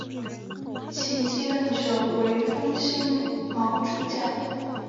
其继任者为封新卯主教。